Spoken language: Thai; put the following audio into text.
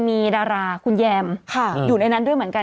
มีดาราคุณแยมอยู่ในนั้นด้วยเหมือนกัน